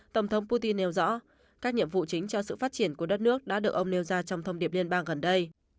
tổng thống putin nêu rõ các nhiệm vụ chính cho sự phát triển của đất nước đã được ông nêu ra trong thông điệp liên bang gần đây